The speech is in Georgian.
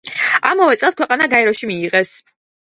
ამავე წელს ქვეყანა გაეროში მიიღეს.